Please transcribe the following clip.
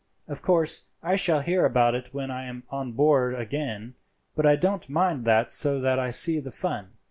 Of course I shall hear about it when I am on board again; but I don't mind that so that I see the fun.